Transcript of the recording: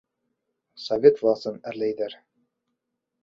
Совет власын әрләйҙәр.